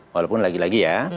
walaupun lagi lagi ya